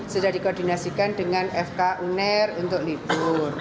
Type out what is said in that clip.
sudah dikoordinasikan dengan fk uner untuk libur